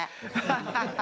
ハハハハ。